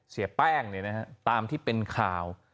เสียแป้งเนี่ยนะครับตามที่เป็นข่าว